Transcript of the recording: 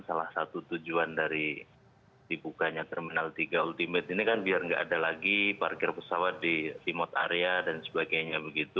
salah satu tujuan dari dibukanya terminal tiga ultimate ini kan biar nggak ada lagi parkir pesawat di remote area dan sebagainya begitu